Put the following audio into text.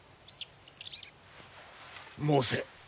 申せ。